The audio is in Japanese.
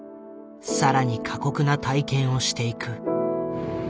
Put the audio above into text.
更に過酷な体験をしていく。